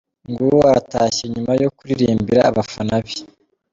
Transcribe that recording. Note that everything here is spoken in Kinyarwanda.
Nguwo aratashye nyuma yo kuririmbira abafana be.